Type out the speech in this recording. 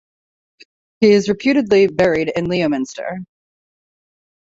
He is reputedly buried in Leominster.